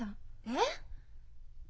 えっ！？